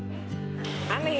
martabak manis dan martabak telur